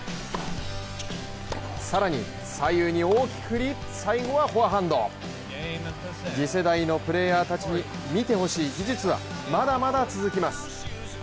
更に左右に大きく振り、最後はフォアハンド次世代のプレーヤーたちに見てほしい技術はまだまだ続きます。